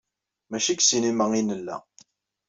Maci deg ssinima ay nella.